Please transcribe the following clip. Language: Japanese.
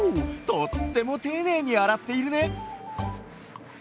とってもていねいにあらっているね！